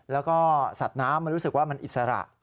แล้วก็สัตว์น้ำมันรู้สึกว่ามันอิสระ